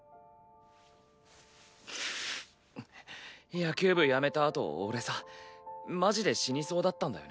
野球部辞めたあと俺さマジで死にそうだったんだよね。